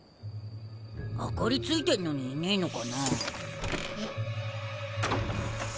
明かりついてんのにいねえのかな？